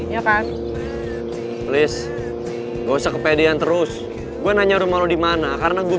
ya kan please gak usah kepedean terus gue nanya rumah lo dimana karena gue